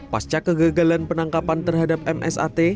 pasca kegagalan penangkapan terhadap msat